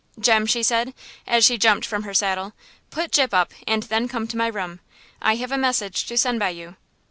"Jem," she said, as she jumped from her saddle, "put Gyp up and then come to my room, I have a message to send by you."